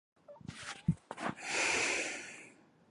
飞机坠毁后不久黑匣子已经找到。